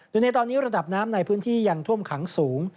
โดยในตอนนี้ระดับน้ำในพื้นที่ยังท่วมขังสูง